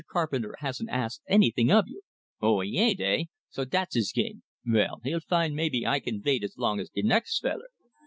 Carpenter hasn't asked anything of you." "Oh, he ain't, hey? So dat's his game. Vell, he'll find maybe I can vait as long as de next feller.